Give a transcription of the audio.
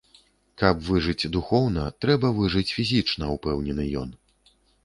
Каб выжыць духоўна, трэба выжыць фізічна, упэўнены ён.